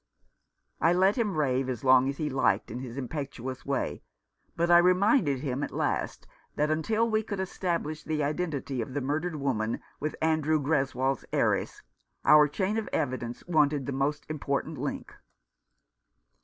I let him rave as long as he liked in his im petuous way ; but I reminded him at last that until we could establish the identity of the murdered woman with Andrew Greswold's heiress our chain of evidence wanted the most important link.